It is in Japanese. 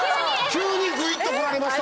急にぐいっとこられました。